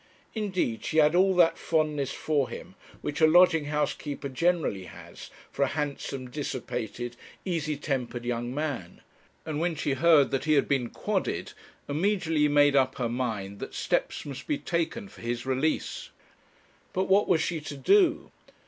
Indeed, she had all that fondness for him which a lodging house keeper generally has for a handsome, dissipated, easy tempered young man; and when she heard that he had been 'quodded,' immediately made up her mind that steps must be taken for his release. But what was she to do?